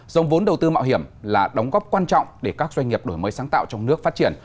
dòng vốn đầu tư mạo hiểm là đóng góp quan trọng để các doanh nghiệp đổi mới sáng tạo trong nước phát triển